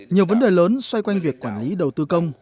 nhiều vấn đề lớn xoay quanh việc quản lý đầu tư công